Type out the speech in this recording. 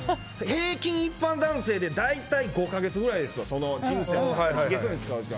平均一般男性で大体５か月くらいですわ人生の中で。